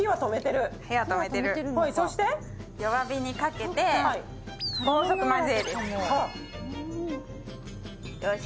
弱火にかけて高速混ぜ。